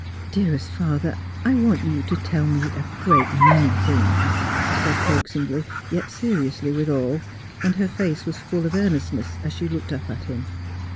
' Dearest father, I want you to tell me a great many things,' she said coaxingly, yet seriously withal, and her face was full of earnestness, as she looked up at him.